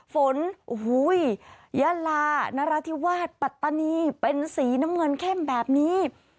ฝนโอ้โหยะลานราธิวาสปัตตานีเป็นสีน้ำเงินเข้มแบบนี้